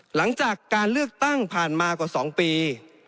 หลังจากการเลือกตั้งผ่านมากว่า๒ปี